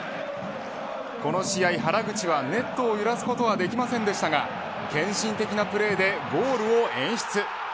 この試合原口はネットを揺らすことはできませんでしたが献身的なプレーでゴールを演出。